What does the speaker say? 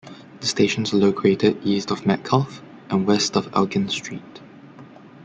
The stations are located east of Metcalfe and west of Elgin Street.